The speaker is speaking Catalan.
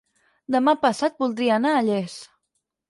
Demà passat voldria anar a Llers.